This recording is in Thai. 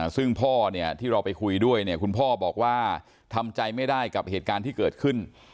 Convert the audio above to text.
ซึ่งพ่อเนี่ยที่เราไปคุยด้วยเนี่ยคุณพ่อบอกว่าทำใจไม่ได้กับเหตุการณ์ที่เกิดขึ้น